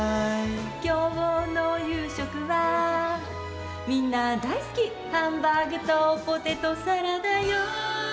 きょうの夕食は、みんな大好き、ハンバーグとポテトサラダよー。